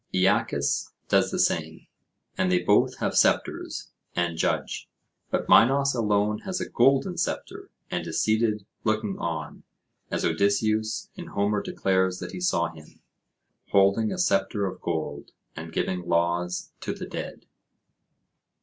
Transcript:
Aeacus does the same; and they both have sceptres, and judge; but Minos alone has a golden sceptre and is seated looking on, as Odysseus in Homer declares that he saw him: "Holding a sceptre of gold, and giving laws to the dead."